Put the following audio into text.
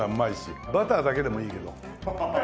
バターだけでもいいけど。